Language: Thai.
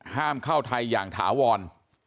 ห้ามเข้าไทยอย่างถาวร